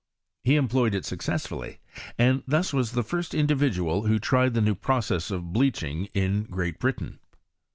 He employed it successfully, and thus was the first individual who tried the new process of bleaching in Great Britain.